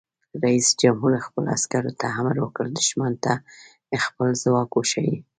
رئیس جمهور خپلو عسکرو ته امر وکړ؛ دښمن ته خپل ځواک وښایئ!